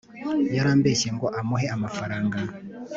yarambeshye ngo amuhe amafaranga